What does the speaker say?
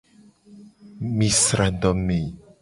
Mi sra adome.